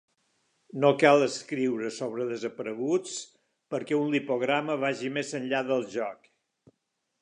No cal escriure sobre desapareguts perquè un lipograma vagi més enllà del joc.